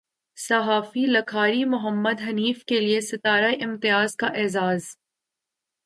صحافی لکھاری محمد حنیف کے لیے ستارہ امتیاز کا اعزاز